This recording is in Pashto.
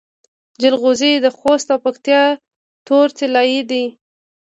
جلغوزي د خوست او پکتیا تور طلایی دي.